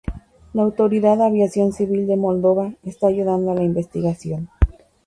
La Autoridad de Aviación Civil de Moldova está ayudando a la investigación.